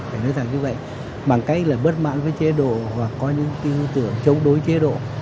phải nói rằng như vậy bằng cách là bất mãn với chế độ hoặc có những tư tưởng chống đối chế độ